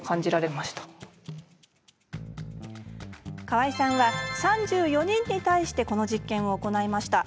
川合さんは、３４人に対してこの実験を行いました。